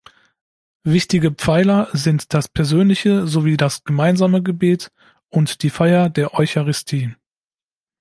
Wichtige Pfeiler sind das persönliche sowie das gemeinsame Gebet und die Feier der Eucharistie.